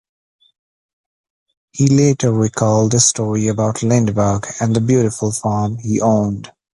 He later recalled this story about Lindeberg and the beautiful farm he owned.